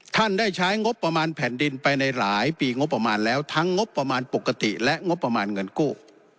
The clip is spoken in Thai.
ท่านได้ใช้งบประมาณแผ่นดินไปหลายปีทั้งงบประมาณปกติและเงินกู้